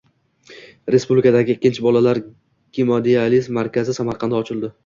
Respublikadagi ikkinchi bolalar gemodializ markazi Samarqandda ochildi